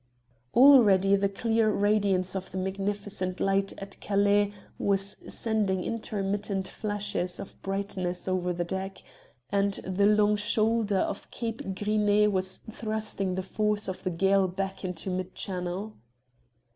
Already the clear radiance of the magnificent light at Calais was sending intermittent flashes of brightness over the deck, and the long shoulder of Cape Grisnez was thrusting the force of the gale back into mid Channel.